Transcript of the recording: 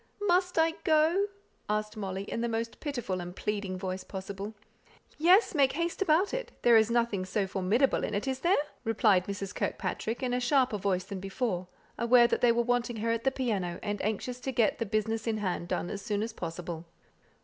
"Must I go?" asked Molly, in the most pitiful and pleading voice possible. "Yes; make haste about it; there is nothing so formidable in it, is there?" replied Mrs. Kirkpatrick, in a sharper voice than before, aware that they were wanting her at the piano, and anxious to get the business in hand done as soon as possible.